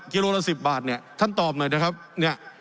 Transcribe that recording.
กิโลละ๑๐บาทเนี่ยท่านตอบหน่อยนะครับเนี่ย